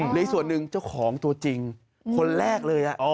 ในส่วนหนึ่งเจ้าของตัวจริงคนแรกเลย